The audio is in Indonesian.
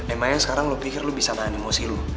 emang yang sekarang lu pikir lu bisa nahan emosi lu